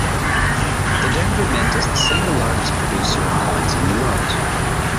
The Denver Mint is the single largest producer of coins in the world.